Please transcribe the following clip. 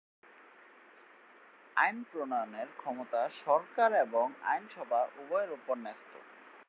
আইন প্রণয়নের ক্ষমতা সরকার এবং আইনসভা উভয়ের উপর ন্যস্ত।